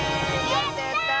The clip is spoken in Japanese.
えやった！